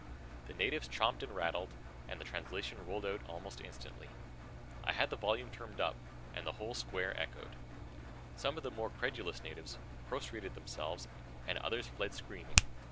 The natives chomped and rattled and the translation rolled out almost instantly. I had the volume turned up and the whole square echoed. Some of the more credulous natives prostrated themselves and others fled screaming.